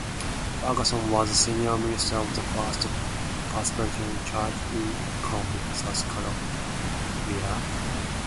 Ferguson was the Senior Minister of the First Presbyterian Church in Columbia, South Carolina.